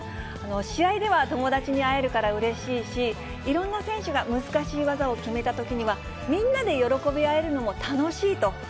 試合では友達に会えるからうれしいし、いろんな選手が難しい技を決めたときには、みんなで喜び合えるのも楽しいと。